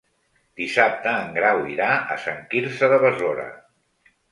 Dissabte en Grau irà a Sant Quirze de Besora.